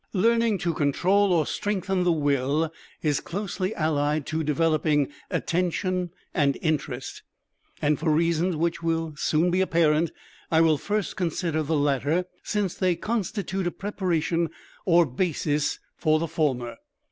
Learning to control or strengthen the Will is closely allied to developing Attention and Interest, and for reasons which will soon be apparent, I will first consider the latter, since they constitute a preparation or basis for the former.